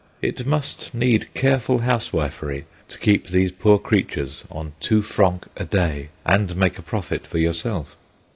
It must need careful housewifery to keep these poor creatures on two francs a day and make a profit for yourself.